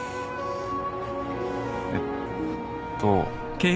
えっと。